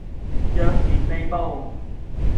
若然未報